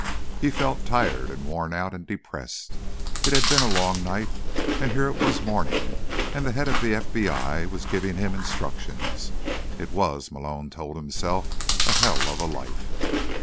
He felt tired, and worn out, and depressed; it had been a long night, and here it was morning and the head of the FBI was giving him instructions. It was, Malone told himself, a hell of a life.